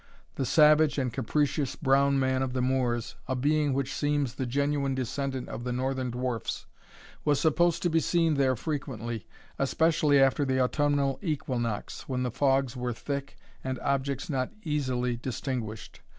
The savage and capricious Brown Man of the Moors, a being which seems the genuine descendant of the northern dwarfs, was supposed to be seen there frequently, especially after the autumnal equinox, when the fogs were thick, and objects not easily distinguished.